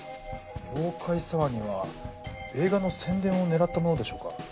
妖怪騒ぎは映画の宣伝を狙ったものでしょうか。